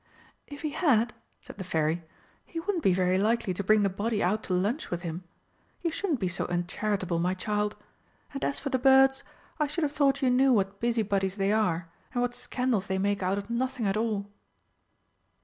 "If he had," said the Fairy, "he wouldn't be very likely to bring the body out to lunch with him. You shouldn't be so uncharitable, my child. And, as for birds, I should have thought you knew what busy bodies they are, and what scandals they make out of nothing at all."